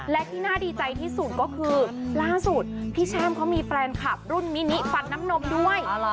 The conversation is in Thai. และที่น่าดีใจที่สุดก็คือล่าสุดพี่ช่ามเขามีแฟนคลับรุ่นมินิฟันน้ำนมด้วย